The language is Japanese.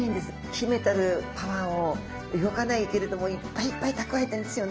秘めたるパワーを動かないけれどもいっぱいいっぱい蓄えているんですよね。